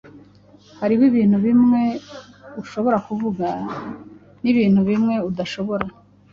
Hariho ibintu bimwe ushobora kuvuga nibintu bimwe udashobora.